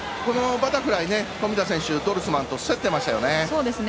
バタフライで富田選手ドルスマンと競っていましたよね。